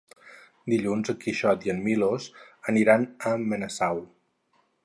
Dilluns en Quixot i en Milos aniran a Benasau.